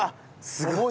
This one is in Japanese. すごい。